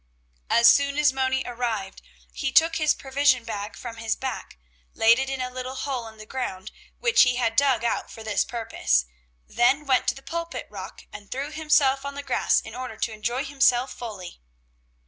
As soon as Moni arrived, he took his provision bag from his back, laid it in a little hole in the ground, which he had dug out for this purpose, then went to the Pulpit rock and threw himself on the grass in order to enjoy himself fully.